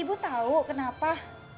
ibu tau kenapa